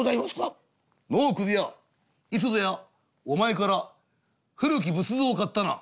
「のうくず屋いつぞやお前から古き仏像を買ったな？」。